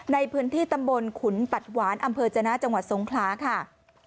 ในพื้นที่ตำบลขุนปัดหวานอำเภอจนะจังหวัดสงคลาค่ะ